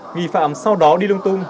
nghi phạm sau đó đi lung tung